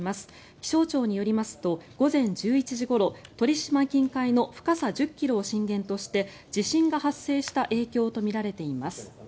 気象庁によりますと午前１１時ごろ鳥島近海の深さ１０ｋｍを震源として地震が発生した影響とみられています。